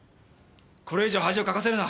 これ以上恥をかかせるな。